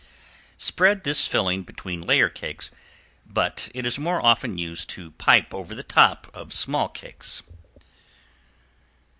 Spread this filling between layer cakes, but it is more often used to pipe over the top of small cakes.